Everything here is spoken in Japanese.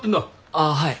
あっはい。